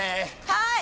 はい！